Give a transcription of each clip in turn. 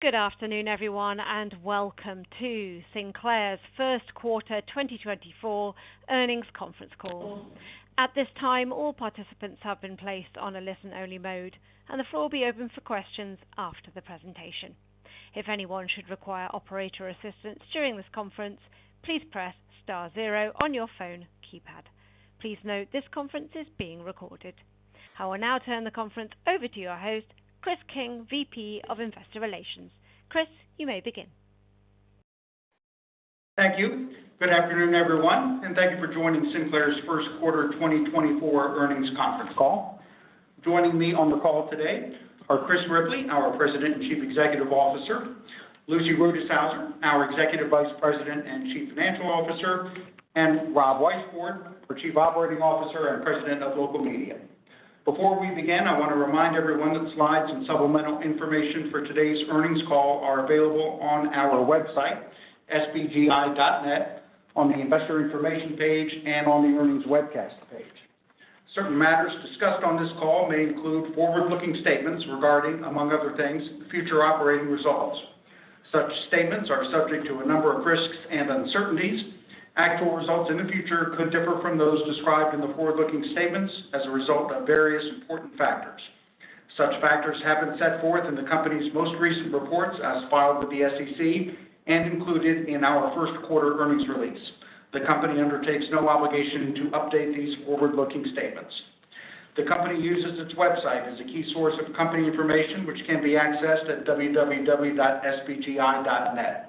Good afternoon, everyone, and welcome to Sinclair's Q1 2024 Earnings Conference Call. At this time, all participants have been placed on a listen-only mode, and the floor will be open for questions after the presentation. If anyone should require operator assistance during this conference, please press star zero on your phone keypad. Please note, this conference is being recorded. I will now turn the conference over to your host, Chris King, VP of Investor Relations. Chris, you may begin. Thank you. Good afternoon, everyone, and thank you for joining Sinclair's Q1 2024 earnings conference call. Joining me on the call today are Chris Ripley, our President and Chief Executive Officer, Lucy Rutishauser, our Executive Vice President and Chief Financial Officer, and Rob Weisbord, our Chief Operating Officer and President of Local Media. Before we begin, I want to remind everyone that slides and supplemental information for today's earnings call are available on our website, sbgi.net, on the Investor Information page and on the Earnings Webcast page. Certain matters discussed on this call may include forward-looking statements regarding, among other things, future operating results. Such statements are subject to a number of risks and uncertainties. Actual results in the future could differ from those described in the forward-looking statements as a result of various important factors. Such factors have been set forth in the company's most recent reports, as filed with the SEC and included in our Q1 earnings release. The company undertakes no obligation to update these forward-looking statements. The company uses its website as a key source of company information, which can be accessed at www.sbgi.net. In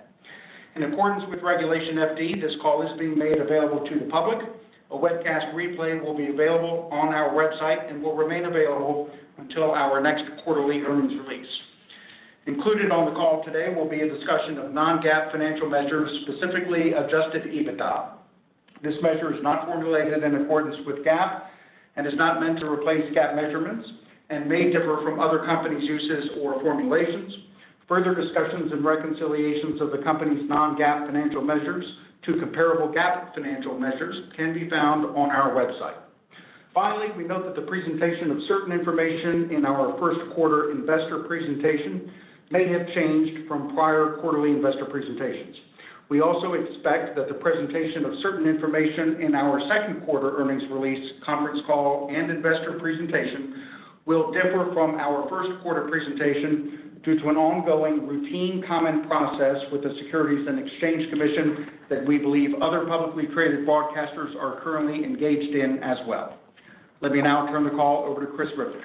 accordance with Regulation FD, this call is being made available to the public. A webcast replay will be available on our website and will remain available until our next quarterly earnings release. Included on the call today will be a discussion of non-GAAP financial measures, specifically Adjusted EBITDA. This measure is not formulated in accordance with GAAP and is not meant to replace GAAP measurements and may differ from other companies' uses or formulations. Further discussions and reconciliations of the company's non-GAAP financial measures to comparable GAAP financial measures can be found on our website. Finally, we note that the presentation of certain information in our Q1 investor presentation may have changed from prior quarterly investor presentations. We also expect that the presentation of certain information in our Q2 earnings release, conference call, and investor presentation will differ from our Q1 presentation due to an ongoing routine common process with the Securities and Exchange Commission that we believe other publicly traded broadcasters are currently engaged in as well. Let me now turn the call over to Chris Ripley.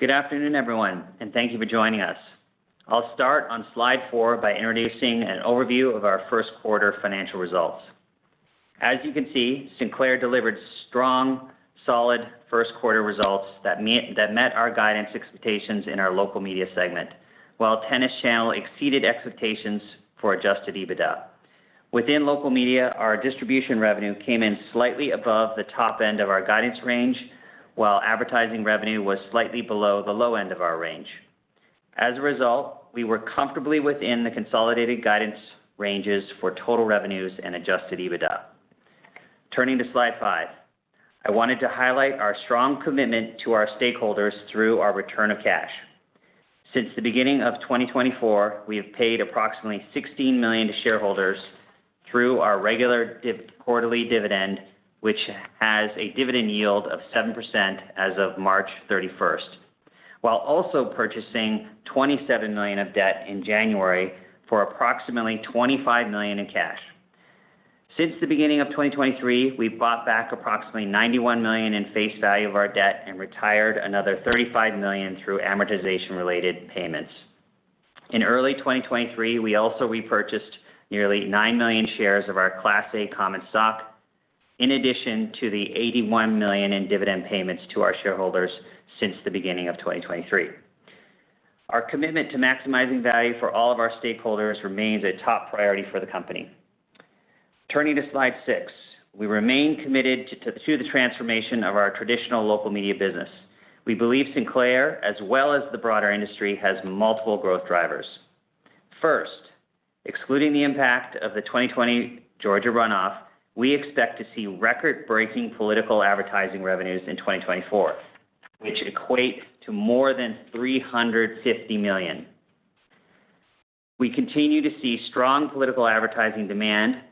Good afternoon, everyone, and thank you for joining us. I'll start on slide 4 by introducing an overview of our Q1 financial results. As you can see, Sinclair delivered strong, solid Q1 results that met our guidance expectations in our Local Media segment, while Tennis Channel exceeded expectations for Adjusted EBITDA. Within Local Media, our distribution revenue came in slightly above the top end of our guidance range, while advertising revenue was slightly below the low end of our range. As a result, we were comfortably within the consolidated guidance ranges for total revenues and Adjusted EBITDA. Turning to slide 5, I wanted to highlight our strong commitment to our stakeholders through our return of cash. Since the beginning of 2024, we have paid approximately $16 million to shareholders through our regular div... quarterly dividend, which has a dividend yield of 7% as of March thirty-first, while also purchasing $27 million of debt in January for approximately $25 million in cash. Since the beginning of 2023, we've bought back approximately $91 million in face value of our debt and retired another $35 million through amortization-related payments. In early 2023, we also repurchased nearly 9 million shares of our Class A common stock, in addition to the $81 million in dividend payments to our shareholders since the beginning of 2023. Our commitment to maximizing value for all of our stakeholders remains a top priority for the company. Turning to slide 6, we remain committed to the transformation of our traditional local media business. We believe Sinclair, as well as the broader industry, has multiple growth drivers. First, excluding the impact of the 2020 Georgia runoff, we expect to see record-breaking political advertising revenues in 2024, which equates to more than $350 million. We continue to see strong political advertising demand,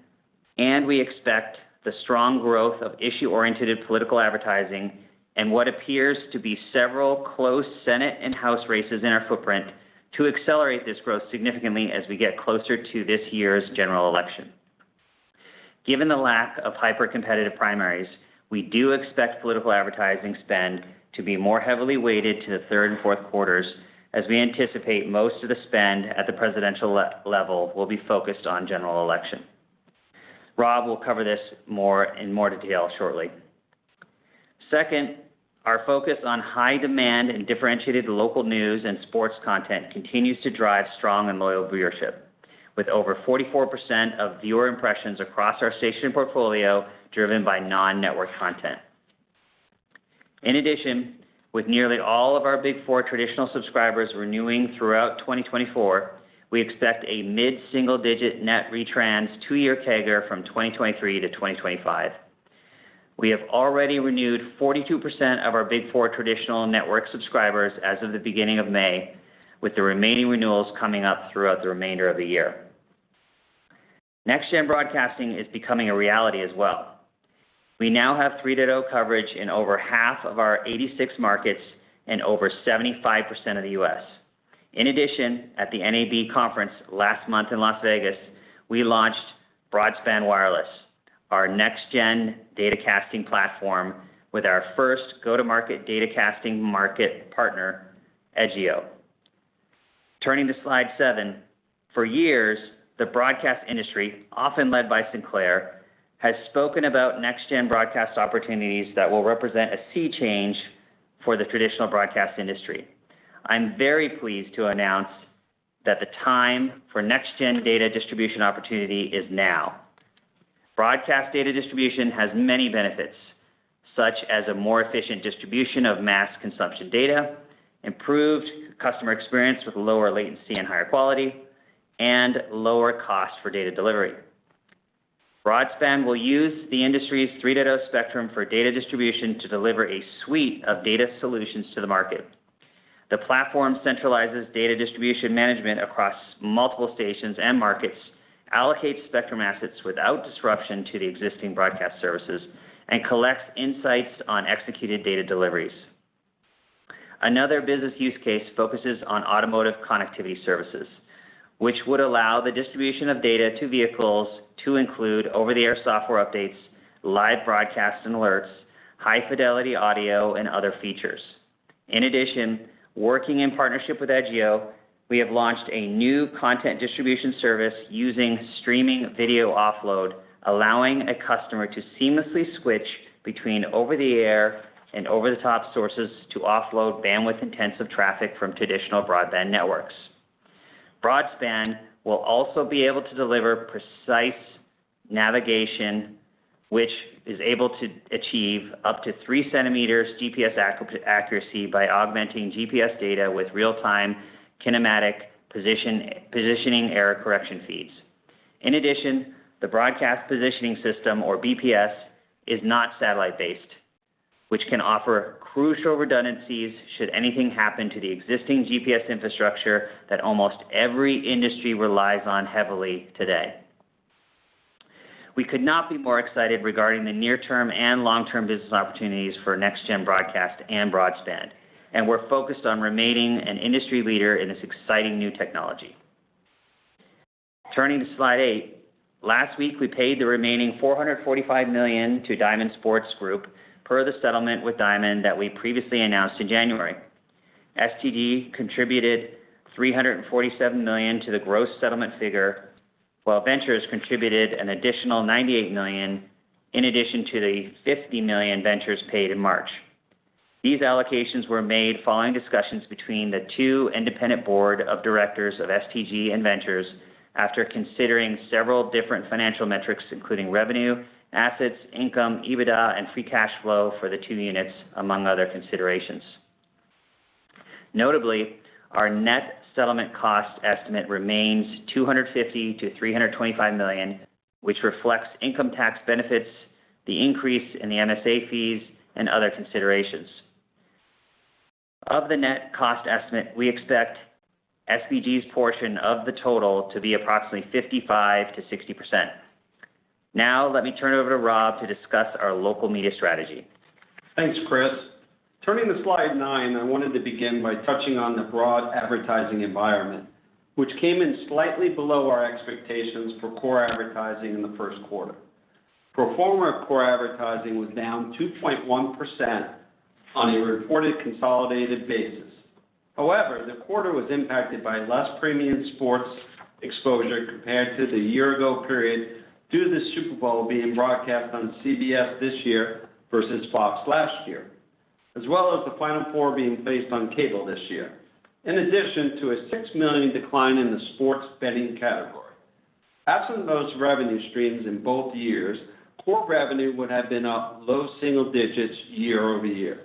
and we expect the strong growth of issue-oriented political advertising and what appears to be several close Senate and House races in our footprint to accelerate this growth significantly as we get closer to this year's general election. Given the lack of hypercompetitive primaries, we do expect political advertising spend to be more heavily weighted to the third and Q4s, as we anticipate most of the spend at the presidential level will be focused on general election. Rob will cover this more, in more detail shortly. Second, our focus on high demand and differentiated local news and sports content continues to drive strong and loyal viewership, with over 44% of viewer impressions across our station portfolio driven by non-network content. In addition, with nearly all of our Big Four traditional subscribers renewing throughout 2024, we expect a mid-single digit net retrans two-year CAGR from 2023 to 2025. We have already renewed 42% of our Big Four traditional network subscribers as of the beginning of May, with the remaining renewals coming up throughout the remainder of the year. Next-gen broadcasting is becoming a reality as well. We now have 3.0 coverage in over half of our 86 markets and over 75% of the US. In addition, at the NAB conference last month in Las Vegas, we launched Broadspan Wireless, our next-gen datacasting platform, with our first go-to-market datacasting partner, Edgio. Turning to slide 7. For years, the broadcast industry, often led by Sinclair, has spoken about next-gen broadcast opportunities that will represent a sea change for the traditional broadcast industry. I'm very pleased to announce that the time for next-gen data distribution opportunity is now. Broadcast data distribution has many benefits, such as a more efficient distribution of mass consumption data, improved customer experience with lower latency and higher quality, and lower cost for data delivery. Broadspan will use the industry's 3.0 spectrum for data distribution to deliver a suite of data solutions to the market. The platform centralizes data distribution management across multiple stations and markets, allocates spectrum assets without disruption to the existing broadcast services, and collects insights on executed data deliveries. Another business use case focuses on automotive connectivity services, which would allow the distribution of data to vehicles to include over-the-air software updates, live broadcast and alerts, high fidelity audio, and other features. In addition, working in partnership with Edgio, we have launched a new content distribution service using streaming video offload, allowing a customer to seamlessly switch between over-the-air and over-the-top sources to offload bandwidth-intensive traffic from traditional broadband networks. Broadspan will also be able to deliver precise navigation, which is able to achieve up to three centimeters GPS accuracy by augmenting GPS data with real-time kinematic positioning error correction feeds. In addition, the Broadcast Positioning System, or BPS, is not satellite-based, which can offer crucial redundancies should anything happen to the existing GPS infrastructure that almost every industry relies on heavily today. We could not be more excited regarding the near-term and long-term business opportunities for next-gen broadcast and Broadspan, and we're focused on remaining an industry leader in this exciting new technology. Turning to slide 8. Last week, we paid the remaining $445 million to Diamond Sports Group, per the settlement with Diamond that we previously announced in January. STG contributed $347 million to the gross settlement figure, while Ventures contributed an additional $98 million, in addition to the $50 million Ventures paid in March. These allocations were made following discussions between the two independent board of directors of STG and Ventures after considering several different financial metrics, including revenue, assets, income, EBITDA, and free cash flow for the two units, among other considerations. Notably, our net settlement cost estimate remains $250 million-$325 million, which reflects income tax benefits, the increase in the MSA fees, and other considerations. Of the net cost estimate, we expect STG's portion of the total to be approximately 55%-60%. Now, let me turn it over to Rob to discuss our local media strategy. Thanks, Chris. Turning to slide 9, I wanted to begin by touching on the broad advertising environment, which came in slightly below our expectations for core advertising in the Q1. Pro forma core advertising was down 2.1% on a reported consolidated basis. However, the quarter was impacted by less premium sports exposure compared to the year ago period, due to the Super Bowl being broadcast on CBS this year versus Fox last year, as well as the Final Four being placed on cable this year, in addition to a $6 million decline in the sports betting category. Absent those revenue streams in both years, core revenue would have been up low single digits year-over-year.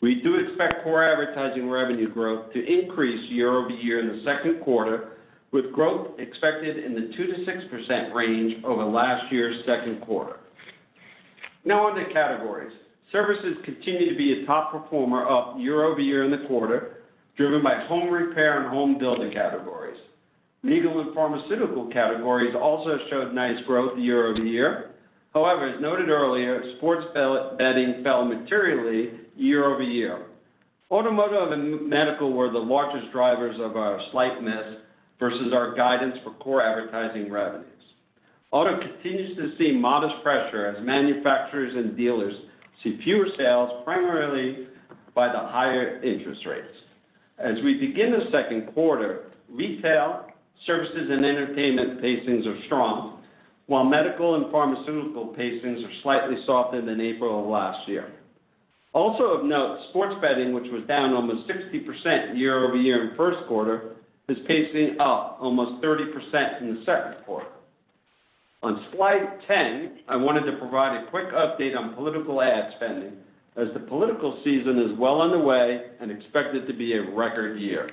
We do expect core advertising revenue growth to increase year-over-year in the Q2, with growth expected in the 2%-6% range over last year's Q2. Now on the categories. Services continue to be a top performer up year-over-year in the quarter, driven by home repair and home building categories. Legal and pharmaceutical categories also showed nice growth year-over-year. However, as noted earlier, sports betting fell materially year-over-year. Automotive and medical were the largest drivers of our slight miss versus our guidance for core advertising revenues. Auto continues to see modest pressure as manufacturers and dealers see fewer sales, primarily by the higher interest rates. As we begin the Q2, retail, services, and entertainment pacings are strong, while medical and pharmaceutical pacings are slightly softer than April of last year. Also of note, sports betting, which was down almost 60% year-over-year in Q1, is pacing up almost 30% in the Q2. On slide 10, I wanted to provide a quick update on political ad spending, as the political season is well underway and expected to be a record year.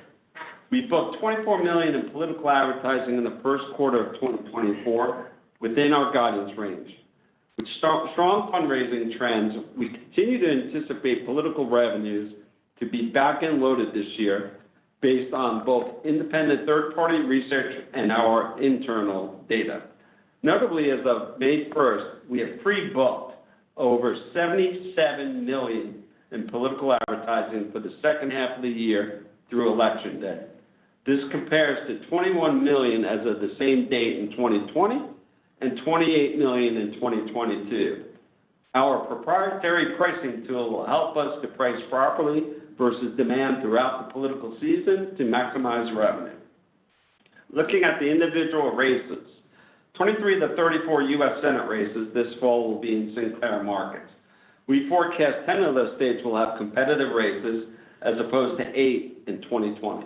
We booked $24 million in political advertising in the Q1 of 2024, within our guidance range. With strong, strong fundraising trends, we continue to anticipate political revenues to be back-end loaded this year based on both independent third-party research and our internal data. Notably, as of May 1, we have pre-booked over $77 million in political advertising for the H2 of the year through Election Day. This compares to $21 million as of the same date in 2020, and $28 million in 2022. Our proprietary pricing tool will help us to price properly versus demand throughout the political season to maximize revenue. Looking at the individual races, 23-34 U.S. Senate races this fall will be in Sinclair markets. We forecast 10 of those states will have competitive races, as opposed to 8 in 2020.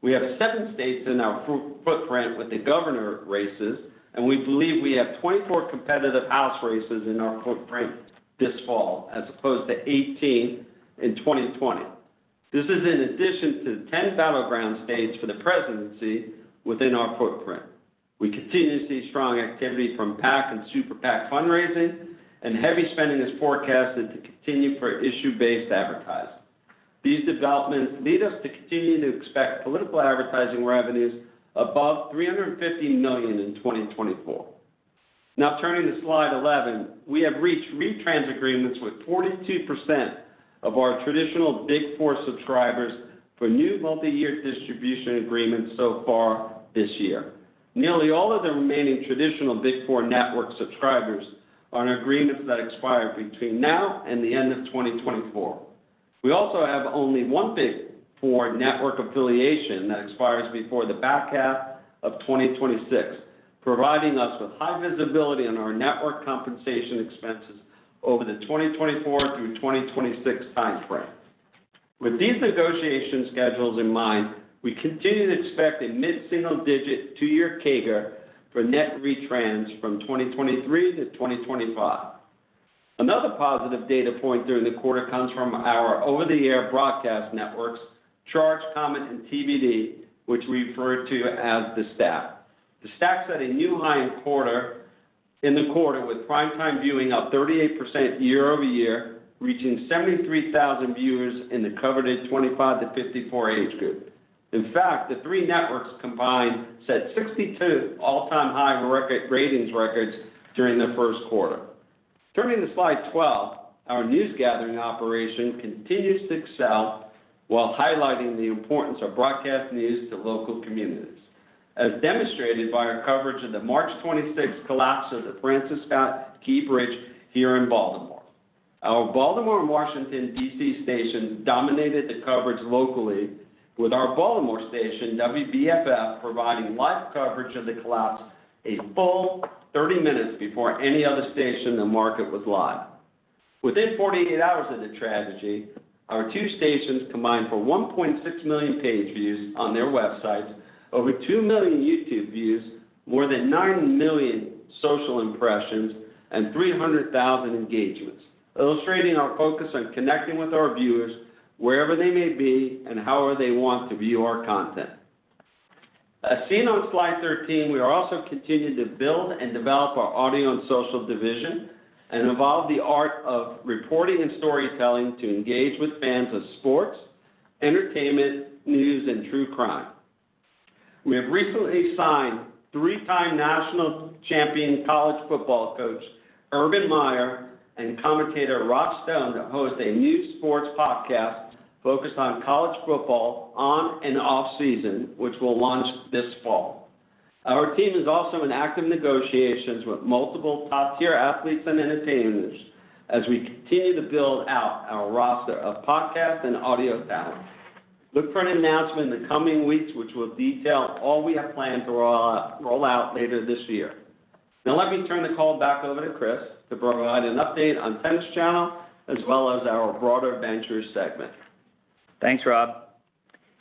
We have 7 states in our footprint with the governor races, and we believe we have 24 competitive House races in our footprint this fall, as opposed to 18 in 2020. This is in addition to the 10 battleground states for the presidency within our footprint. We continue to see strong activity from PAC and Super PAC fundraising, and heavy spending is forecasted to continue for issue-based advertising. These developments lead us to continue to expect political advertising revenues above $350 million in 2024. Now, turning to slide 11, we have reached retrans agreements with 42% of our traditional Big Four subscribers for new multiyear distribution agreements so far this year. Nearly all of the remaining traditional Big Four network subscribers are on agreements that expire between now and the end of 2024. We also have only one Big Four network affiliation that expires before the back half of 2026, providing us with high visibility on our network compensation expenses over the 2024 through 2026 time frame. With these negotiation schedules in mind, we continue to expect a mid-single-digit two-year CAGR for net retrans from 2023 to 2025. Another positive data point during the quarter comes from our over-the-air broadcast networks, CHARGE!, Comet, and TBD, which we refer to as The Stack. The Stack set a new high in the quarter, with primetime viewing up 38% year-over-year, reaching 73,000 viewers in the coveted 25-54 age group. In fact, the three networks combined set 62 all-time high ratings records during the Q1. Turning to slide 12, our news gathering operation continues to excel while highlighting the importance of broadcast news to local communities, as demonstrated by our coverage of the March 26th collapse of the Francis Scott Key Bridge here in Baltimore. Our Baltimore and Washington, D.C., stations dominated the coverage locally, with our Baltimore station, WBFF, providing live coverage of the collapse a full 30 minutes before any other station the market was live. Within 48 hours of the tragedy, our two stations combined for 1.6 million page views on their websites, over 2 million YouTube views, more than 9 million social impressions, and 300,000 engagements, illustrating our focus on connecting with our viewers wherever they may be and however they want to view our content. As seen on slide 13, we are also continuing to build and develop our audio and social division and evolve the art of reporting and storytelling to engage with fans of sports, entertainment, news, and true crime. We have recently signed 3-time national champion college football coach, Urban Meyer, and commentator, Rob Stone, to host a new sports podcast focused on college football on and off season, which will launch this fall. Our team is also in active negotiations with multiple top-tier athletes and entertainers as we continue to build out our roster of podcast and audio talent. Look for an announcement in the coming weeks, which will detail all we have planned for our rollout later this year. Now, let me turn the call back over to Chris to provide an update on Tennis Channel, as well as our broader Ventures segment. Thanks, Rob.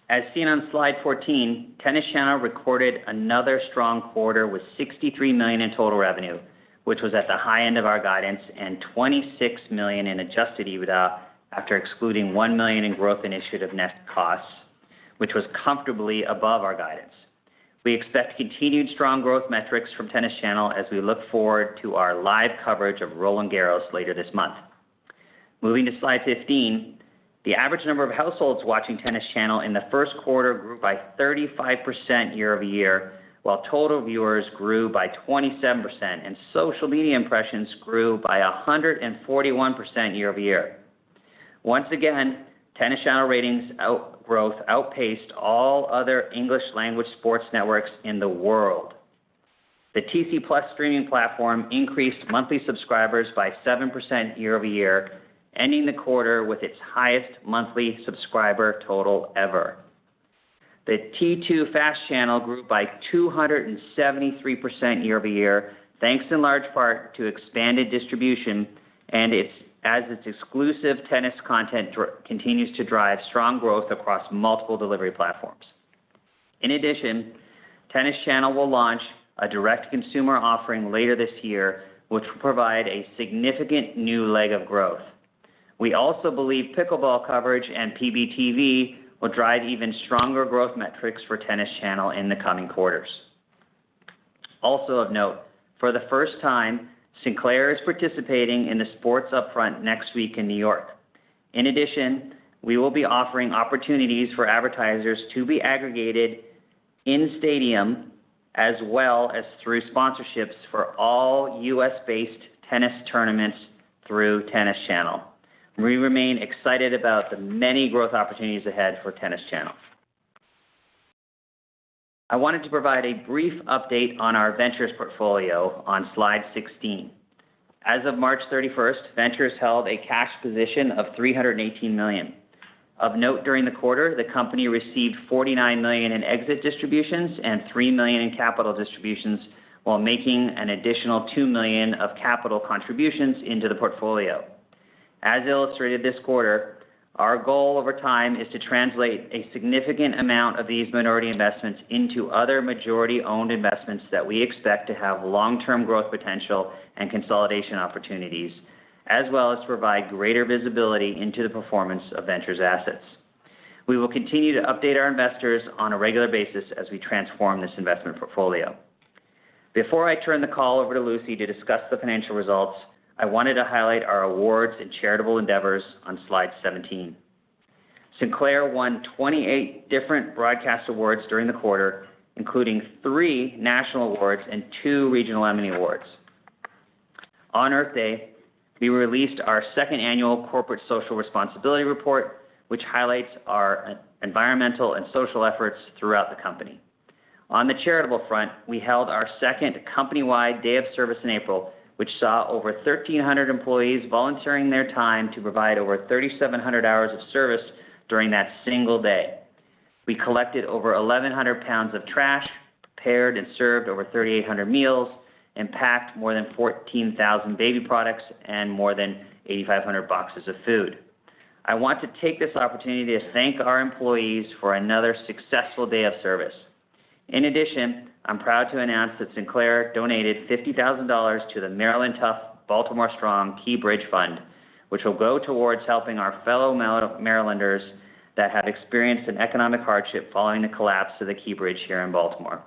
As seen on slide 14, Tennis Channel recorded another strong quarter with $63 million in total revenue, which was at the high end of our guidance, and $26 million in adjusted EBITDA, after excluding $1 million in growth initiative net costs, which was comfortably above our guidance. We expect continued strong growth metrics from Tennis Channel as we look forward to our live coverage of Roland-Garros later this month. Moving to slide 15, the average number of households watching Tennis Channel in the Q1 grew by 35% year-over-year, while total viewers grew by 27%, and social media impressions grew by 141% year-over-year. Once again, Tennis Channel ratings growth outpaced all other English language sports networks in the world. The TC Plus streaming platform increased monthly subscribers by 7% year-over-year, ending the quarter with its highest monthly subscriber total ever. The T2 FAST channel grew by 273% year-over-year, thanks in large part to expanded distribution and as its exclusive tennis content continues to drive strong growth across multiple delivery platforms. In addition, Tennis Channel will launch a direct-to-consumer offering later this year, which will provide a significant new leg of growth. We also believe pickleball coverage and PBTV will drive even stronger growth metrics for Tennis Channel in the coming quarters. Also of note, for the first time, Sinclair is participating in the sports upfront next week in New York. In addition, we will be offering opportunities for advertisers to be aggregated in stadium as well as through sponsorships for all U.S.-based tennis tournaments through Tennis Channel. We remain excited about the many growth opportunities ahead for Tennis Channel. I wanted to provide a brief update on our Ventures portfolio on slide 16. As of March 31st, Ventures held a cash position of $318 million. Of note, during the quarter, the company received $49 million in exit distributions and $3 million in capital distributions, while making an additional $2 million of capital contributions into the portfolio. As illustrated this quarter, our goal over time is to translate a significant amount of these minority investments into other majority-owned investments that we expect to have long-term growth potential and consolidation opportunities, as well as provide greater visibility into the performance of Ventures assets. We will continue to update our investors on a regular basis as we transform this investment portfolio. Before I turn the call over to Lucy to discuss the financial results, I wanted to highlight our awards and charitable endeavors on slide 17. Sinclair won 28 different broadcast awards during the quarter, including three national awards and two regional Emmy Awards. On Earth Day, we released our second annual Corporate Social Responsibility Report, which highlights our environmental and social efforts throughout the company. On the charitable front, we held our second company-wide day of service in April, which saw over 1,300 employees volunteering their time to provide over 3,700 hours of service during that single day. We collected over 1,100 pounds of trash, prepared and served over 3,800 meals, and packed more than 14,000 baby products and more than 8,500 boxes of food. I want to take this opportunity to thank our employees for another successful day of service. In addition, I'm proud to announce that Sinclair donated $50,000 to the Maryland Tough Baltimore Strong Key Bridge Fund, which will go towards helping our fellow Marylanders that have experienced an economic hardship following the collapse of the Key Bridge here in Baltimore.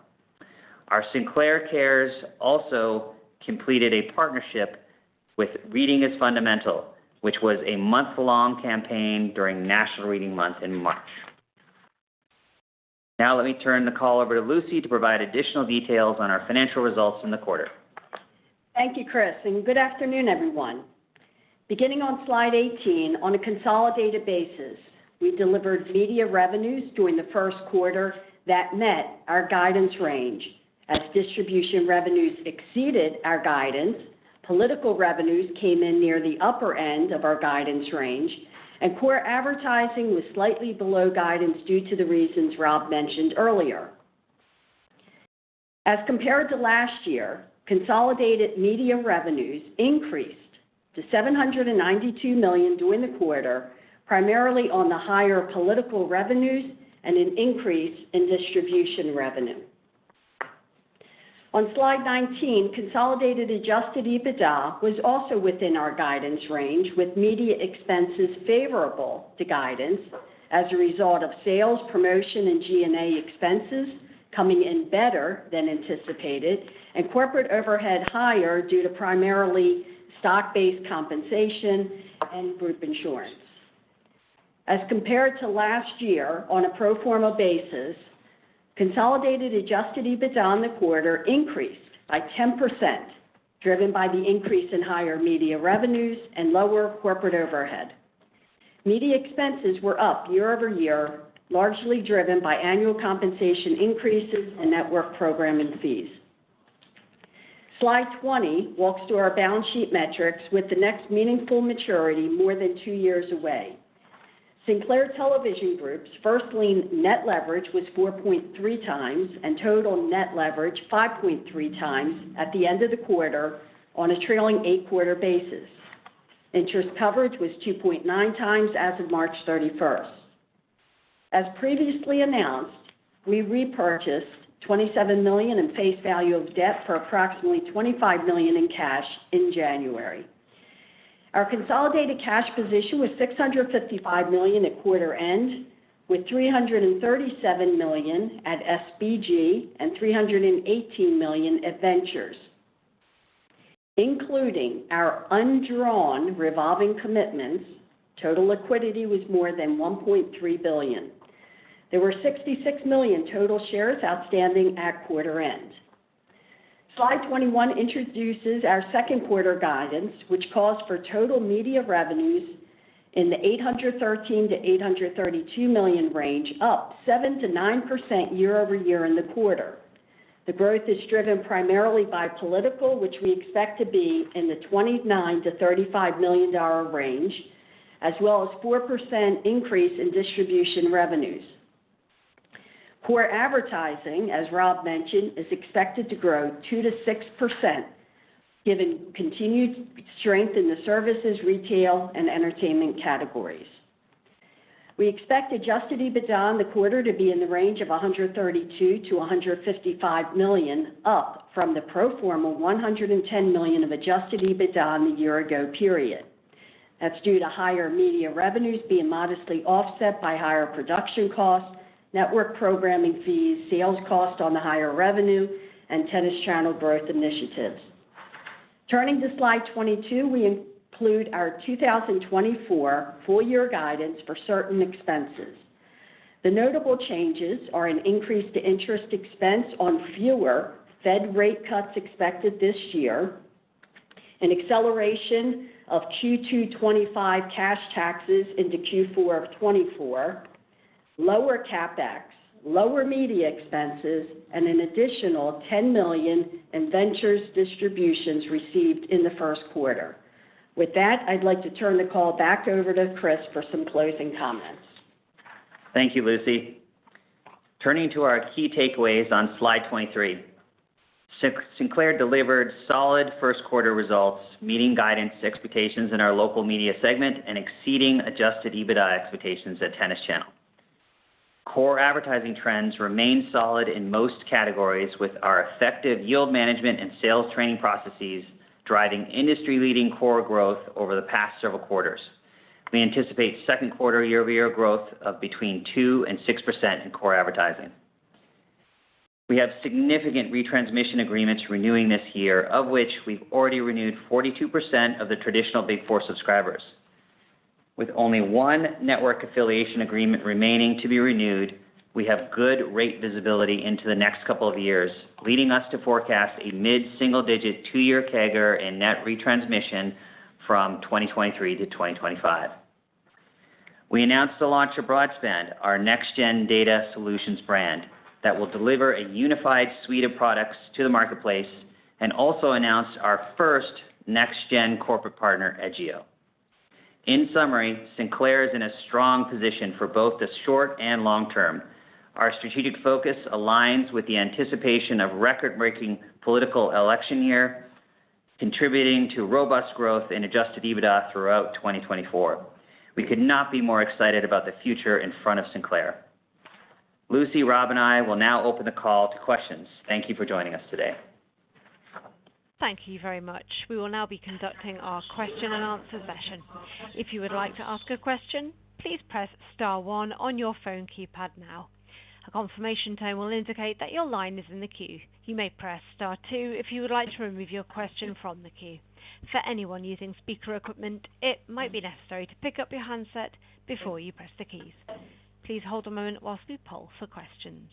Our Sinclair Cares also completed a partnership with Reading Is Fundamental, which was a month-long campaign during National Reading Month in March. Now, let me turn the call over to Lucy to provide additional details on our financial results in the quarter. Thank you, Chris, and good afternoon, everyone. Beginning on slide 18, on a consolidated basis, we delivered media revenues during the Q1 that met our guidance range. As distribution revenues exceeded our guidance, political revenues came in near the upper end of our guidance range, and core advertising was slightly below guidance due to the reasons Rob mentioned earlier. As compared to last year, consolidated media revenues increased to $792 million during the quarter, primarily on the higher political revenues and an increase in distribution revenue. On slide 19, consolidated Adjusted EBITDA was also within our guidance range, with media expenses favorable to guidance as a result of sales, promotion, and G&A expenses coming in better than anticipated, and corporate overhead higher due to primarily stock-based compensation and group insurance. As compared to last year, on a pro forma basis, consolidated adjusted EBITDA on the quarter increased by 10%, driven by the increase in higher media revenues and lower corporate overhead. Media expenses were up year-over-year, largely driven by annual compensation increases and network programming fees. Slide 20 walks through our balance sheet metrics with the next meaningful maturity more than two years away. Sinclair Television Group's first lien net leverage was 4.3 times, and total net leverage, 5.3 times at the end of the quarter on a trailing 8-quarter basis. Interest coverage was 2.9 times as of March 31. As previously announced, we repurchased $27 million in face value of debt for approximately $25 million in cash in January. Our consolidated cash position was $655 million at quarter end, with $337 million at SBG and $318 million at Ventures. Including our undrawn revolving commitments, total liquidity was more than $1.3 billion. There were 66 million total shares outstanding at quarter end. Slide 21 introduces our Q2 guidance, which calls for total media revenues in the $813 million-$832 million range, up 7%-9% year-over-year in the quarter. The growth is driven primarily by political, which we expect to be in the $29 million-$35 million range, as well as 4% increase in distribution revenues. Core advertising, as Rob mentioned, is expected to grow 2%-6%, given continued strength in the services, retail, and entertainment categories.... We expect Adjusted EBITDA in the quarter to be in the range of $132 million-$155 million, up from the pro forma $110 million of Adjusted EBITDA in the year ago period. That's due to higher media revenues being modestly offset by higher production costs, network programming fees, sales costs on the higher revenue, and Tennis Channel growth initiatives. Turning to slide 22, we include our 2024 full year guidance for certain expenses. The notable changes are an increase to interest expense on fewer Fed rate cuts expected this year, an acceleration of Q2 2025 cash taxes into Q4 of 2024, lower CapEx, lower media expenses, and an additional $10 million in Ventures distributions received in the Q1. With that, I'd like to turn the call back over to Chris for some closing comments. Thank you, Lucy. Turning to our key takeaways on slide 23. Sinclair delivered solid Q1 results, meeting guidance expectations in our Local Media segment and exceeding Adjusted EBITDA expectations at Tennis Channel. Core Advertising trends remain solid in most categories, with our effective yield management and sales training processes driving industry-leading core growth over the past several quarters. We anticipate Q2 year-over-year growth of between 2% and 6% in Core Advertising. We have significant retransmission agreements renewing this year, of which we've already renewed 42% of the traditional Big Four subscribers. With only 1 network affiliation agreement remaining to be renewed, we have good rate visibility into the next couple of years, leading us to forecast a mid-single-digit 2-year CAGR in net retransmission from 2023 to 2025. We announced the launch of Broadspan, our next-gen data solutions brand, that will deliver a unified suite of products to the marketplace and also announced our first next-gen corporate partner, Edgio. In summary, Sinclair is in a strong position for both the short and long term. Our strategic focus aligns with the anticipation of record-breaking political election year, contributing to robust growth in adjusted EBITDA throughout 2024. We could not be more excited about the future in front of Sinclair. Lucy, Rob, and I will now open the call to questions. Thank you for joining us today. Thank you very much. We will now be conducting our question-and-answer session. If you would like to ask a question, please press star one on your phone keypad now. A confirmation tone will indicate that your line is in the queue. You may press star two if you would like to remove your question from the queue. For anyone using speaker equipment, it might be necessary to pick up your handset before you press the keys. Please hold a moment while we poll for questions.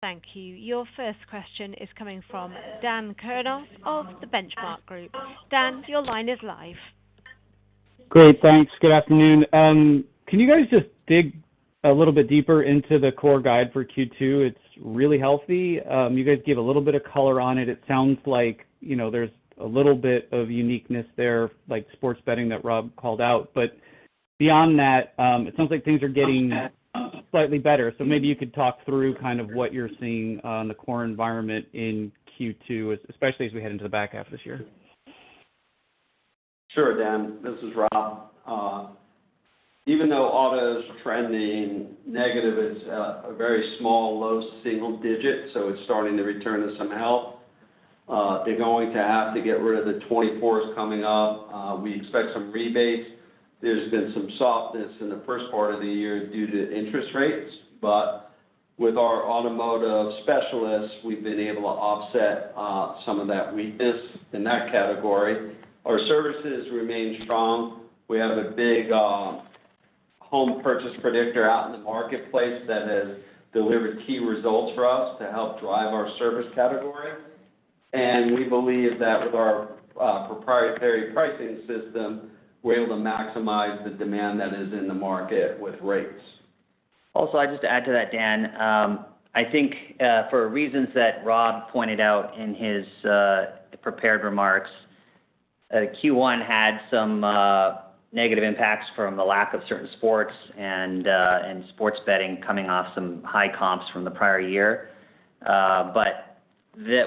Thank you. Your first question is coming from Dan Kurnos of The Benchmark Company. Dan, your line is live. Great, thanks. Good afternoon. Can you guys just dig a little bit deeper into the core guide for Q2? It's really healthy. You guys gave a little bit of color on it. It sounds like, you know, there's a little bit of uniqueness there, like sports betting that Rob called out. But beyond that, it sounds like things are getting slightly better. So maybe you could talk through kind of what you're seeing on the core environment in Q2, especially as we head into the back half of this year. Sure, Dan, this is Rob. Even though auto's trending negative, it's a very small, low single digit, so it's starting to return to some health. They're going to have to get rid of the 2024s coming up. We expect some rebates. There's been some softness in the first part of the year due to interest rates, but with our automotive specialists, we've been able to offset some of that weakness in that category. Our services remain strong. We have a big home purchase predictor out in the marketplace that has delivered key results for us to help drive our service category. And we believe that with our proprietary pricing system, we're able to maximize the demand that is in the market with rates. Also, I just add to that, Dan. I think, for reasons that Rob pointed out in his prepared remarks, Q1 had some negative impacts from the lack of certain sports and sports betting coming off some high comps from the prior year. But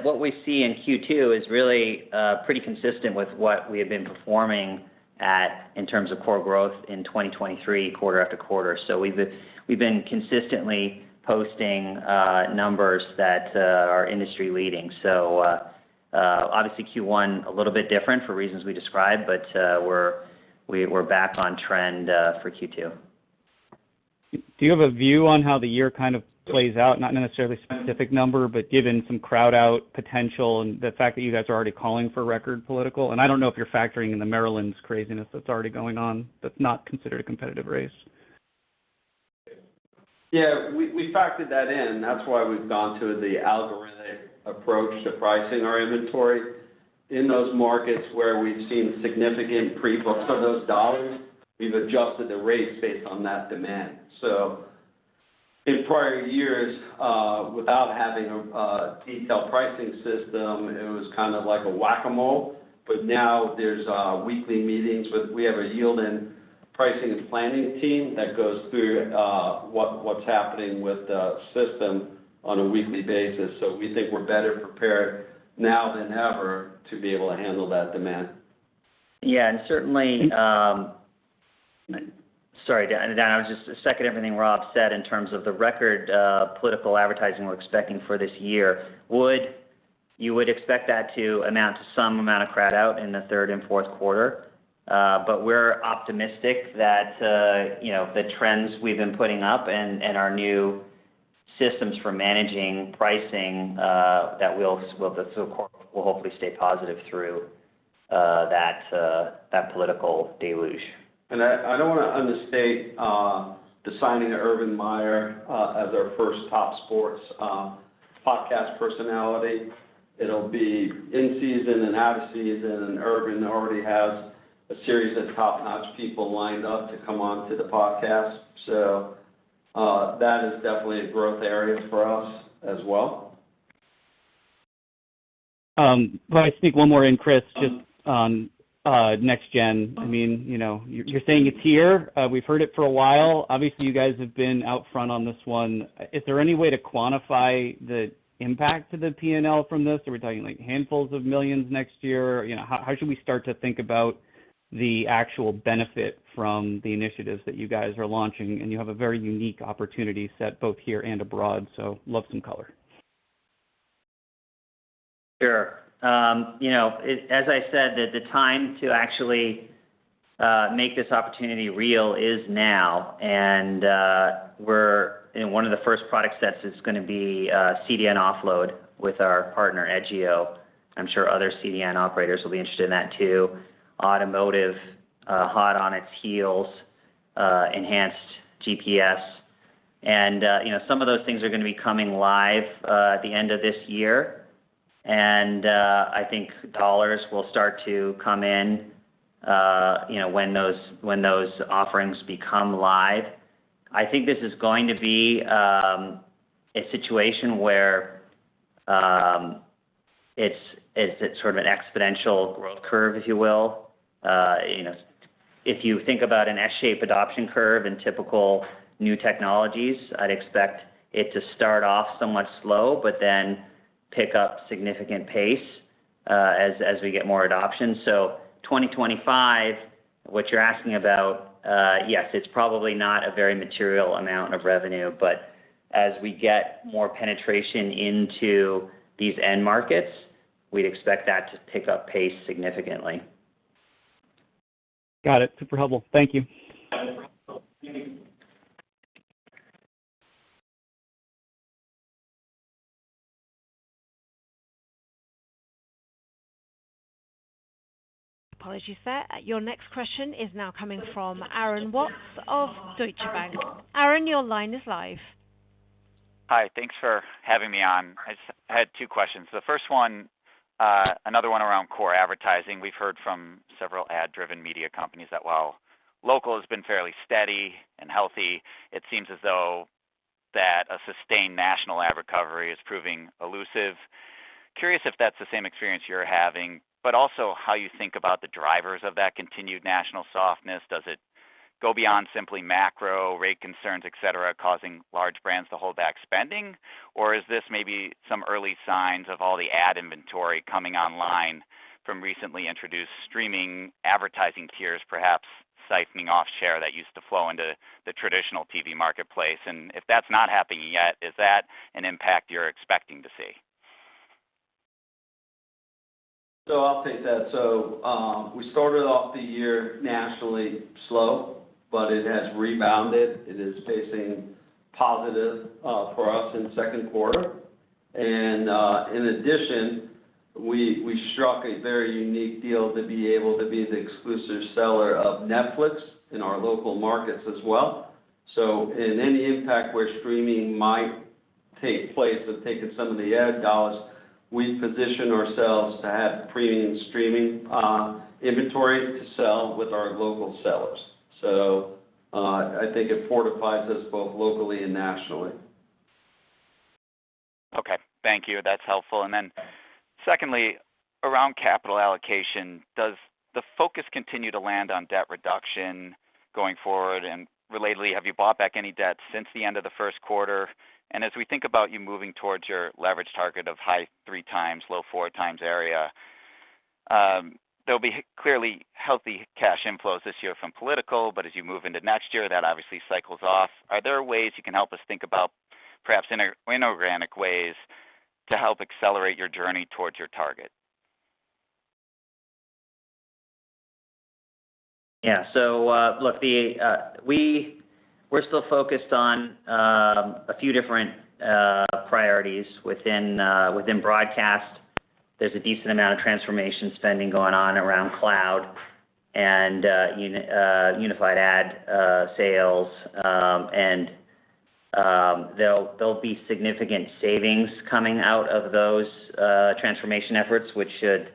what we see in Q2 is really pretty consistent with what we have been performing at in terms of core growth in 2023, quarter after quarter. So we've been consistently posting numbers that are industry-leading. So, obviously Q1, a little bit different for reasons we described, but we're back on trend for Q2. Do you have a view on how the year kind of plays out? Not necessarily a specific number, but given some crowd-out potential and the fact that you guys are already calling for record political. I don't know if you're factoring in the Maryland's craziness that's already going on, that's not considered a competitive race. Yeah, we factored that in. That's why we've gone to the algorithmic approach to pricing our inventory. In those markets where we've seen significant pre-books of those dollars, we've adjusted the rates based on that demand. So in prior years, without having a detailed pricing system, it was kind of like a whack-a-mole, but now there's weekly meetings with a yield and pricing and planning team that goes through what's happening with the system on a weekly basis. So we think we're better prepared now than ever to be able to handle that demand. Yeah, and certainly, sorry, Dan, I would just second everything Rob said in terms of the record political advertising we're expecting for this year. You would expect that to amount to some amount of crowd out in the third and Q4. But we're optimistic that, you know, the trends we've been putting up and our new systems for managing pricing, that will hopefully stay positive through that political deluge. And I don't want to understate the signing of Urban Meyer as our first top sports podcast personality. It'll be in season and out of season, and Urban already has a series of top-notch people lined up to come onto the podcast. So, that is definitely a growth area for us as well. If I sneak one more in, Chris, just on next gen. I mean, you know, you're saying it's here. We've heard it for a while. Obviously, you guys have been out front on this one. Is there any way to quantify the impact to the PNL from this? Are we talking, like, handfuls of millions next year? You know, how should we start to think about the actual benefit from the initiatives that you guys are launching? And you have a very unique opportunity set, both here and abroad, so love some color. Sure. You know, as, as I said, that the time to actually make this opportunity real is now, and we're in one of the first product sets is gonna be, CDN offload with our partner, Edgio. I'm sure other CDN operators will be interested in that, too. Automotive, hot on its heels, enhanced GPS. And, you know, some of those things are gonna be coming live, at the end of this year. And, I think dollars will start to come in, you know, when those, when those offerings become live. I think this is going to be, a situation where, it's, it's sort of an exponential growth curve, if you will. You know, if you think about an S-shaped adoption curve in typical new technologies, I'd expect it to start off somewhat slow, but then pick up significant pace, as we get more adoption. So 2025, what you're asking about, yes, it's probably not a very material amount of revenue, but as we get more penetration into these end markets, we'd expect that to pick up pace significantly. Got it. Super helpful. Thank you. Apologies for that. Your next question is now coming from Aaron Watts of Deutsche Bank. Aaron, your line is live. Hi, thanks for having me on. I had two questions. The first one, another one around Core Advertising. We've heard from several ad-driven media companies that while local has been fairly steady and healthy, it seems as though that a sustained national ad recovery is proving elusive. Curious if that's the same experience you're having, but also how you think about the drivers of that continued national softness. Does it go beyond simply macro rate concerns, et cetera, causing large brands to hold back spending? Or is this maybe some early signs of all the ad inventory coming online from recently introduced streaming advertising tiers, perhaps siphoning off share that used to flow into the traditional TV marketplace? And if that's not happening yet, is that an impact you're expecting to see? So I'll take that. So, we started off the year nationally slow, but it has rebounded. It is facing positive for us in the Q2. And, in addition, we struck a very unique deal to be able to be the exclusive seller of Netflix in our local markets as well. So in any impact where streaming might take place, have taken some of the ad dollars, we position ourselves to have premium streaming inventory to sell with our local sellers. So, I think it fortifies us both locally and nationally. Okay. Thank you. That's helpful. And then secondly, around capital allocation, does the focus continue to land on debt reduction going forward? And relatedly, have you bought back any debt since the end of the Q1? And as we think about you moving towards your leverage target of high 3x, low 4x area, there'll be clearly healthy cash inflows this year from political, but as you move into next year, that obviously cycles off. Are there ways you can help us think about perhaps inorganic ways to help accelerate your journey towards your target? Yeah. So, look, we're still focused on a few different priorities within broadcast. There's a decent amount of transformation spending going on around cloud and unified ad sales. And there'll be significant savings coming out of those transformation efforts, which should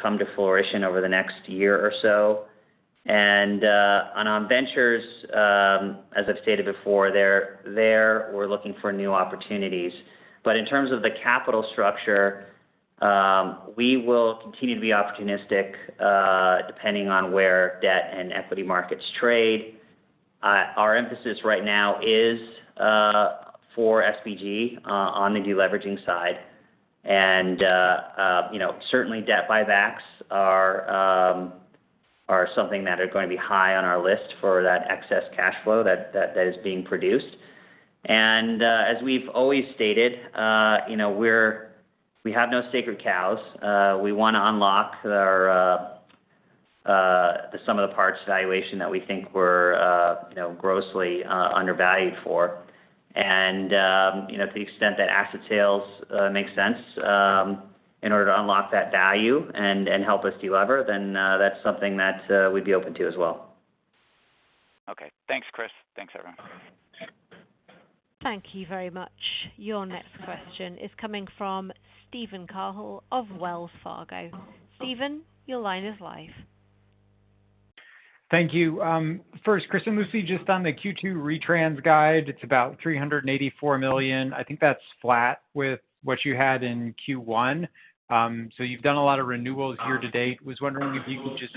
come to fruition over the next year or so. And on our Ventures, as I've stated before, they're there. We're looking for new opportunities. But in terms of the capital structure. We will continue to be opportunistic, depending on where debt and equity markets trade. Our emphasis right now is for STG on the deleveraging side. And, you know, certainly debt buybacks are something that are going to be high on our list for that excess cash flow that is being produced. And, as we've always stated, you know, we're we have no sacred cows. We want to unlock our the sum of the parts valuation that we think we're, you know, grossly undervalued for. And, you know, to the extent that asset sales make sense, in order to unlock that value and help us delever, then that's something that we'd be open to as well. Okay. Thanks, Chris. Thanks, everyone. Thank you very much. Your next question is coming from Steven Cahall of Wells Fargo. Stephen, your line is live. Thank you. First, Chris and Lucy, just on the Q2 retrans guide, it's about $384 million. I think that's flat with what you had in Q1. So you've done a lot of renewals year to date. Was wondering if you could just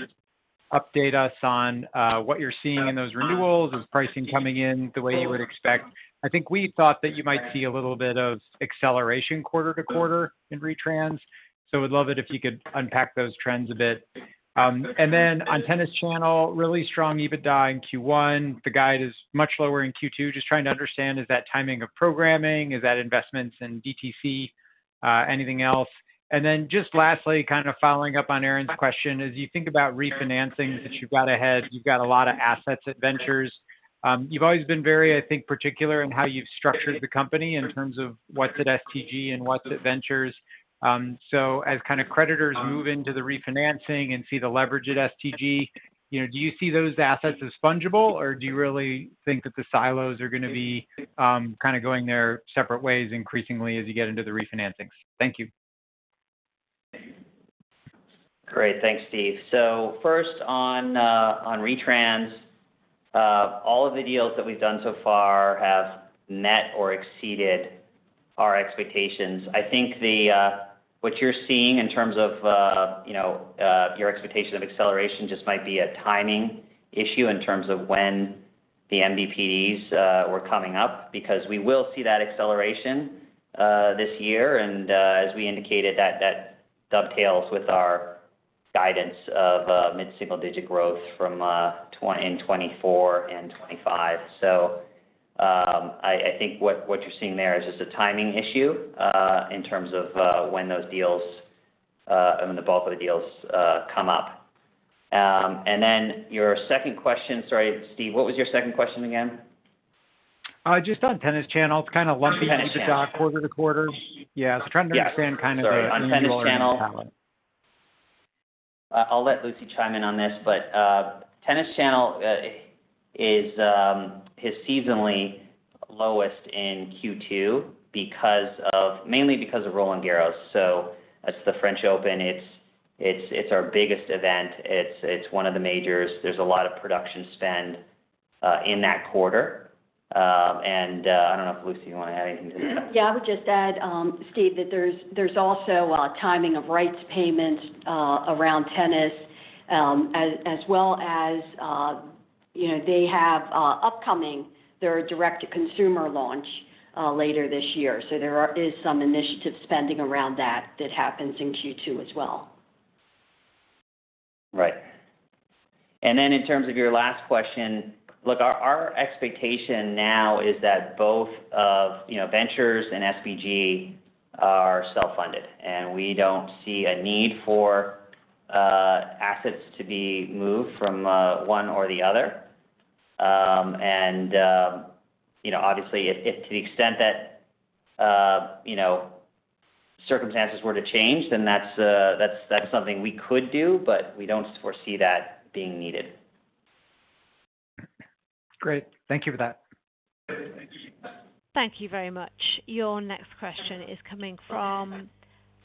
update us on what you're seeing in those renewals. Is pricing coming in the way you would expect? I think we thought that you might see a little bit of acceleration quarter to quarter in retrans, so would love it if you could unpack those trends a bit. And then on Tennis Channel, really strong EBITDA in Q1. The guide is much lower in Q2. Just trying to understand, is that timing of programming? Is that investments in DTC, anything else? Then just lastly, kind of following up on Aaron's question, as you think about refinancings that you've got ahead, you've got a lot of assets at Ventures. You've always been very, I think, particular in how you've structured the company in terms of what's at STG and what's at Ventures. So as kind of creditors move into the refinancing and see the leverage at STG, you know, do you see those assets as fungible, or do you really think that the silos are going to be, kind of going their separate ways increasingly as you get into the refinancings? Thank you. Great. Thanks, Steve. So first on retrans, all of the deals that we've done so far have met or exceeded our expectations. I think what you're seeing in terms of, you know, your expectation of acceleration just might be a timing issue in terms of when the MVPDs were coming up, because we will see that acceleration this year. As we indicated, that, that dovetails with our guidance of mid-single-digit growth from 2024 in 2024 and 2025. I, I think what, what you're seeing there is just a timing issue in terms of when those deals, I mean, the bulk of the deals come up. Then your second question. Sorry, Steve, what was your second question again? Just on Tennis Channel, it's kind of lumpy- Tennis Channel quarter-over-quarter. Yeah, I was trying to understand kind of the- Sorry. On Tennis Channel... I'll let Lucy chime in on this, but Tennis Channel is seasonally lowest in Q2 because of—mainly because of Roland-Garros. So that's the French Open. It's our biggest event. It's one of the majors. There's a lot of production spend in that quarter. And I don't know if, Lucy, you want to add anything to that? Yeah, I would just add, Steve, that there's also timing of rights payments around tennis, as well as, you know, they have upcoming their direct-to-consumer launch later this year. So there is some initiative spending around that that happens in Q2 as well. Right. In terms of your last question, look, our expectation now is that both of, you know, Ventures and SBG are self-funded, and we don't see a need for assets to be moved from one or the other. You know, obviously, if to the extent that you know, circumstances were to change, then that's something we could do, but we don't foresee that being needed. Great. Thank you for that. Thank you very much. Your next question is coming from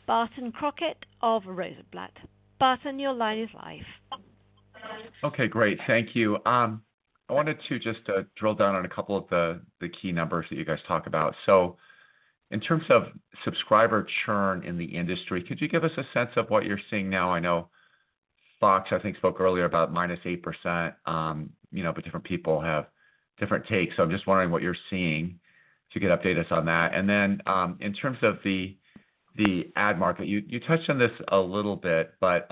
Barton Crockett of Rosenblatt. Barton, your line is live. Okay, great. Thank you. I wanted to just, drill down on a couple of the, the key numbers that you guys talk about. So in terms of subscriber churn in the industry, could you give us a sense of what you're seeing now? I know Fox, I think, spoke earlier about -8%, you know, but different people have different takes. So I'm just wondering what you're seeing to get us updated on that. And then, in terms of the, the ad market, you, you touched on this a little bit, but,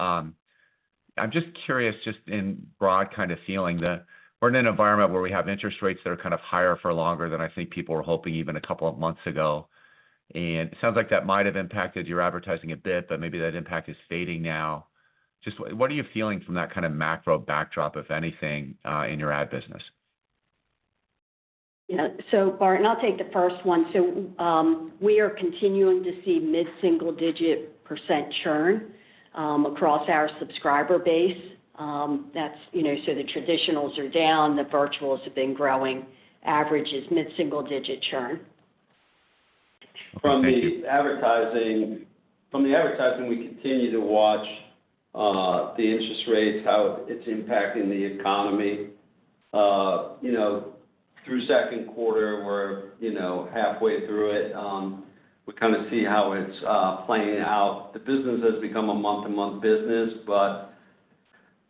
I'm just curious, just in broad kind of feeling, that we're in an environment where we have interest rates that are kind of higher for longer than I think people were hoping even a couple of months ago. It sounds like that might have impacted your advertising a bit, but maybe that impact is fading now. Just what are you feeling from that kind of macro backdrop, if anything, in your ad business? You know, so, Barton, I'll take the first one. So, we are continuing to see mid-single-digit% churn across our subscriber base. That's, you know, so the traditionals are down, the virtuals have been growing. Average is mid-single-digit% churn. Thank you. From the advertising, from the advertising, we continue to watch the interest rates, how it's impacting the economy. You know, through Q2, we're, you know, halfway through it. We kind of see how it's playing out. The business has become a month-to-month business, but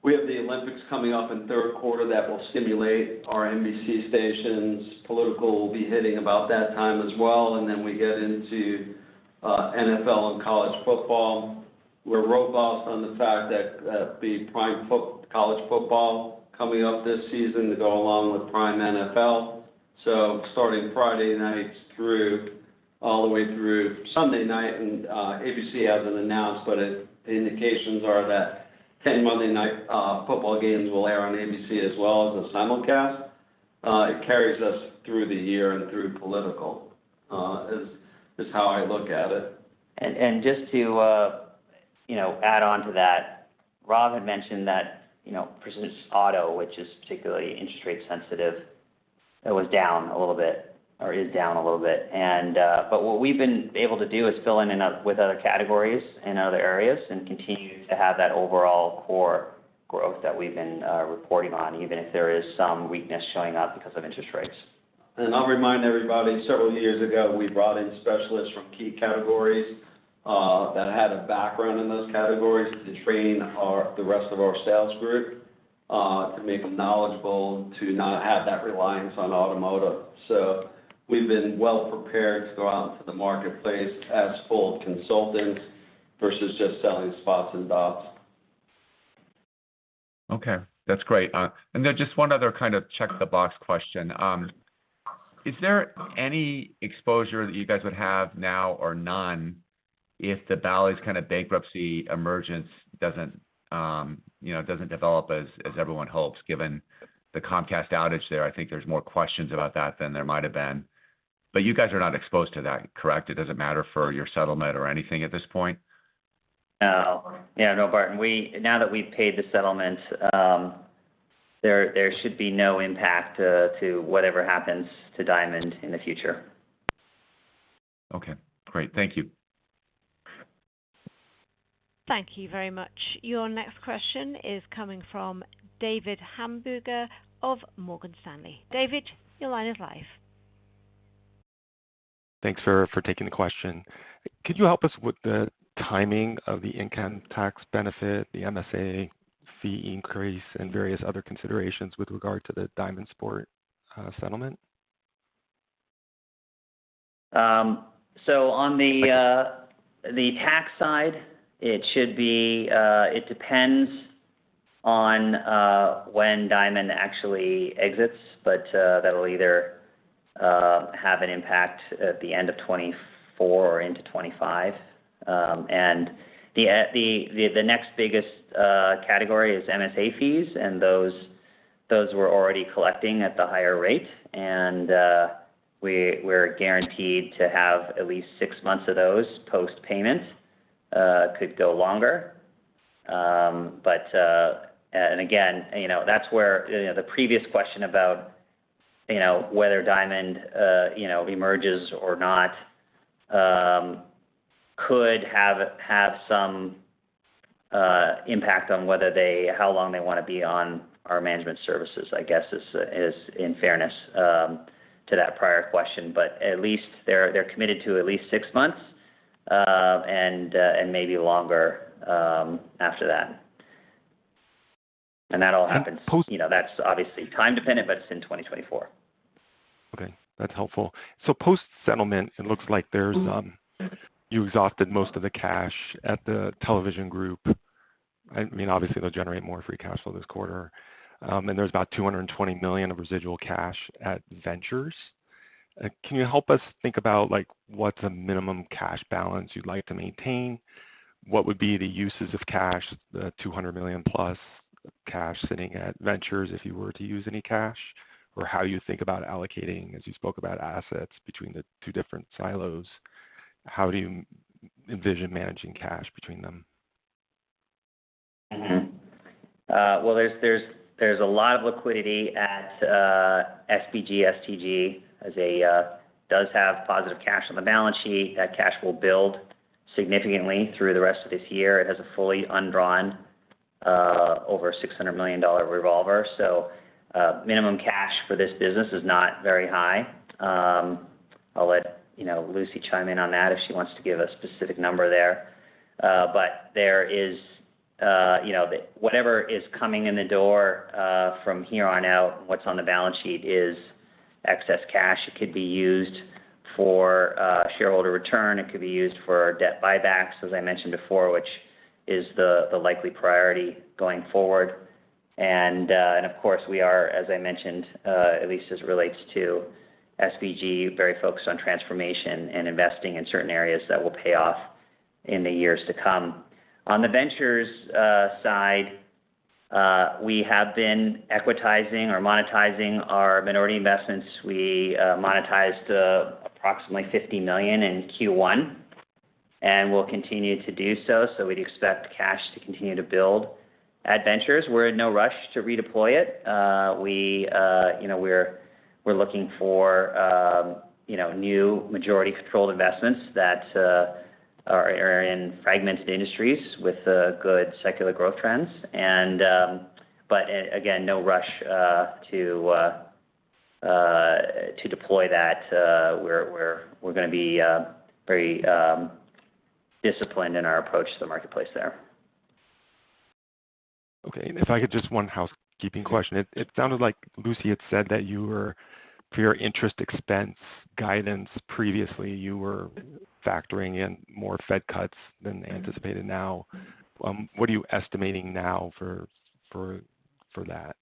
we have the Olympics coming up in Q3 that will stimulate our NBC stations. Political will be hitting about that time as well, and then we get into NFL and college football. We're robust on the fact that the prime college football coming up this season to go along with prime NFL. So starting Friday nights through, all the way through Sunday night, and ABC hasn't announced, but the indications are that 10 Monday Night Football games will air on ABC as well as a simulcast. It carries us through the year and through political is how I look at it. Just to, you know, add on to that, Rob had mentioned that, you know, precisely auto, which is particularly interest rate sensitive, it was down a little bit or is down a little bit. But what we've been able to do is fill in and up with other categories in other areas and continue to have that overall core growth that we've been reporting on, even if there is some weakness showing up because of interest rates. I'll remind everybody, several years ago, we brought in specialists from key categories that had a background in those categories to train the rest of our sales group to make them knowledgeable, to not have that reliance on automotive. So we've been well prepared to go out into the marketplace as full consultants versus just selling spots and dots. Okay, that's great. And then just one other kind of check-the-box question. Is there any exposure that you guys would have now or none, if the Bally's kind of bankruptcy emergence doesn't, you know, doesn't develop as everyone hopes? Given the Comcast outage there, I think there's more questions about that than there might have been. But you guys are not exposed to that, correct? It doesn't matter for your settlement or anything at this point. No. Yeah, no, Barton, we now that we've paid the settlement, there should be no impact to whatever happens to Diamond in the future. Okay, great. Thank you. Thank you very much. Your next question is coming from David Hamburger of Morgan Stanley. David, your line is live. Thanks for taking the question. Could you help us with the timing of the income tax benefit, the MSA fee increase, and various other considerations with regard to the Diamond Sports settlement? So on the tax side, it should be, it depends on when Diamond actually exits, but that'll either have an impact at the end of 2024 or into 2025. And the next biggest category is MSA fees, and those we're already collecting at the higher rate, and we're guaranteed to have at least six months of those post-payment, could go longer. But again, you know, that's where the previous question about whether Diamond emerges or not could have some impact on whether they-- how long they wanna be on our management services, I guess is in fairness to that prior question. But at least they're committed to at least six months, and maybe longer, after that. And that all happens- Post- You know, that's obviously time-dependent, but it's in 2024. Okay, that's helpful. So post-settlement, it looks like there's you exhausted most of the cash at the television group. I mean, obviously, they'll generate more free cash flow this quarter. And there's about $220 million of residual cash at Ventures. Can you help us think about, like, what's a minimum cash balance you'd like to maintain? What would be the uses of cash, the $200 million plus cash sitting at Ventures, if you were to use any cash, or how you think about allocating, as you spoke about assets between the two different silos, how do you envision managing cash between them? Mm-hmm. Well, there's a lot of liquidity at SBG, STG, as a does have positive cash on the balance sheet. That cash will build significantly through the rest of this year. It has a fully undrawn over $600 million revolver. So, minimum cash for this business is not very high. I'll let you know, Lucy chime in on that if she wants to give a specific number there. But there is, you know, whatever is coming in the door from here on out, what's on the balance sheet is excess cash. It could be used for shareholder return, it could be used for debt buybacks, as I mentioned before, which is the likely priority going forward. Of course, we are, as I mentioned, at least as it relates to SVG, very focused on transformation and investing in certain areas that will pay off in the years to come. On the Ventures side, we have been equitizing or monetizing our minority investments. We monetized approximately $50 million in Q1, and we'll continue to do so, so we'd expect cash to continue to build. At Ventures, we're in no rush to redeploy it. We, you know, we're looking for, you know, new majority controlled investments that are in fragmented industries with good secular growth trends. But again, no rush to deploy that. We're gonna be very disciplined in our approach to the marketplace there. Okay. If I could just one housekeeping question. It sounded like Lucy had said that you were, for your interest expense guidance previously, you were factoring in more Fed cuts than anticipated now. What are you estimating now for that?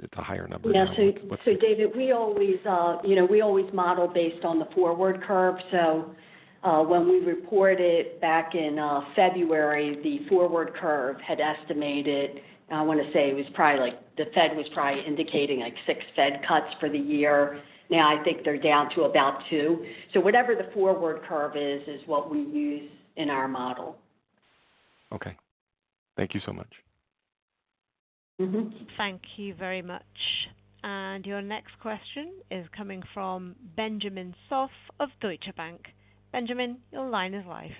It's a higher number now. Yeah. So, David, we always, you know, we always model based on the forward curve. So, when we reported back in February, the forward curve had estimated, I wanna say it was probably like the Fed was probably indicating like 6 Fed cuts for the year. Now, I think they're down to about 2. So whatever the forward curve is, is what we use in our model. Okay. Thank you so much. Mm-hmm. Thank you very much. And your next question is coming from Ben Soff of Deutsche Bank. Ben, your line is live.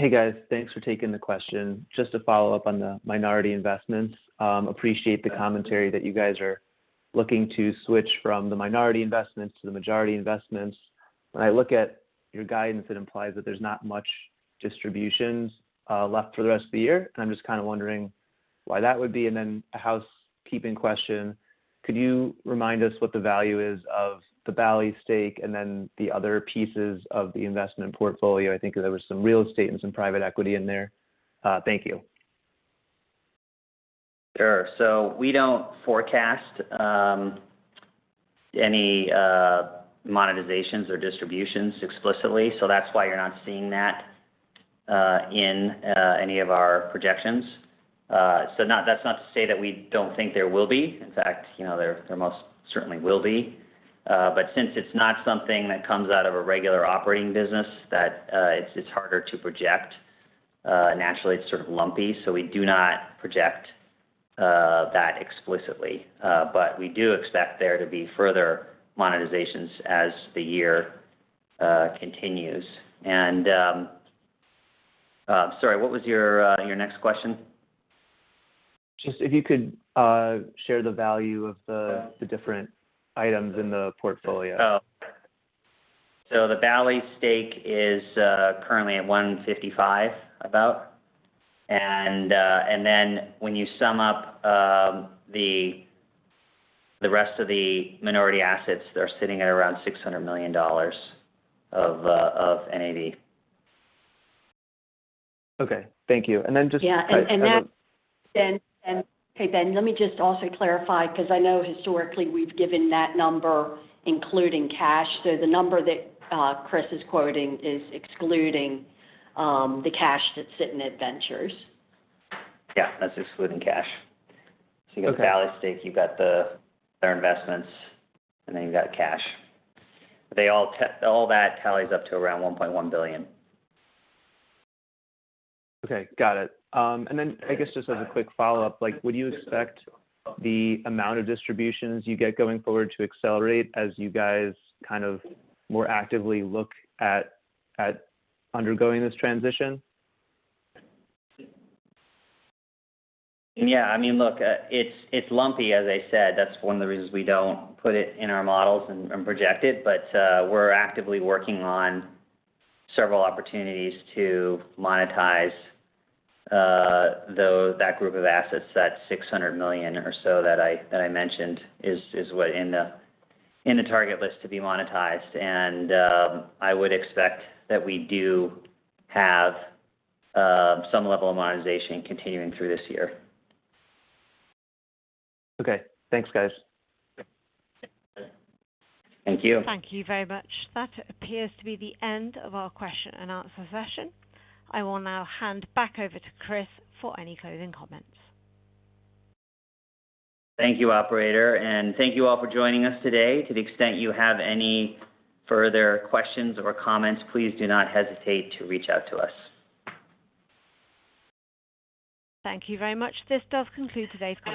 Hey, guys. Thanks for taking the question. Just to follow up on the minority investments. Appreciate the commentary that you guys are looking to switch from the minority investments to the majority investments. When I look at your guidance, it implies that there's not much distributions left for the rest of the year, and I'm just kind of wondering why that would be. And then a housekeeping question: Could you remind us what the value is of the Bally's stake and then the other pieces of the investment portfolio? I think there were some real estate and some private equity in there. Thank you. Sure. So we don't forecast any monetizations or distributions explicitly, so that's why you're not seeing that in any of our projections. That's not to say that we don't think there will be. In fact, you know, there most certainly will be. But since it's not something that comes out of a regular operating business, that it's harder to project. Naturally, it's sort of lumpy, so we do not project that explicitly. But we do expect there to be further monetizations as the year continues. And sorry, what was your next question? Just if you could, share the value of the different items in the portfolio. Oh, so the Bally stake is currently at 155, about. And then when you sum up the rest of the minority assets, they're sitting at around $600 million of NAV. Okay, thank you. And then just- Yeah, and that. Ben, hey, Ben, let me just also clarify, 'cause I know historically we've given that number, including cash. So the number that Chris is quoting is excluding the cash that's sitting in Ventures. Yeah, that's excluding cash. Okay. So you got Bally's stake, you've got their investments, and then you've got cash. All that tallies up to around $1.1 billion. Okay, got it. And then I guess just as a quick follow-up, like, would you expect the amount of distributions you get going forward to accelerate as you guys kind of more actively look at undergoing this transition? Yeah, I mean, look, it's, it's lumpy, as I said. That's one of the reasons we don't put it in our models and project it. But, we're actively working on several opportunities to monetize that group of assets. That $600 million or so that I mentioned is what in the target list to be monetized. And, I would expect that we do have some level of monetization continuing through this year. Okay. Thanks, guys. Thank you. Thank you very much. That appears to be the end of our question and answer session. I will now hand back over to Chris for any closing comments. Thank you, operator, and thank you all for joining us today. To the extent you have any further questions or comments, please do not hesitate to reach out to us. Thank you very much. This does conclude today's call.